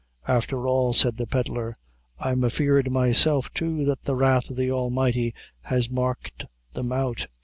"Afther all," said the pedlar, "I'm afeard myself, too, that the wrath o' the Almighty has marked them out.